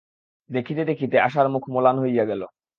দেখিতে দেখিতে আশার মুখ মলান হইয়া গেল।